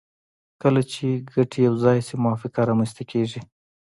کله چې ګټې یو ځای شي موافقه رامنځته کیږي